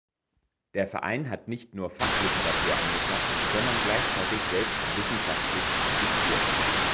Der Verein hat nicht nur Fachliteratur angeschafft, sondern gleichzeitig selbst wissenschaftlich publiziert.